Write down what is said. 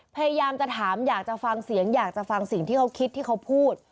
พยายามจะถามอยากจะฟังเสียงอยากจะฟังสิ่งที่เขาคิดที่เขาพูด